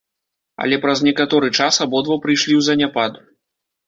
Але праз некаторы час абодва прыйшлі ў заняпад.